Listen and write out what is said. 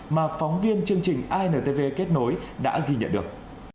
mà phóng viên chương trình intv kết nối đã ghi nhận được